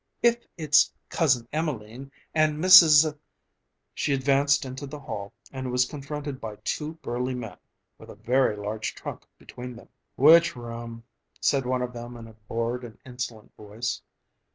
If it's Cousin Emelene and Mrs. " She advanced into the hall and was confronted by two burly men with a very large trunk between them. "Which room?" said one of them in a bored and insolent voice.